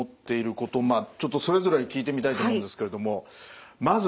まあちょっとそれぞれに聞いてみたいと思うんですけれどもます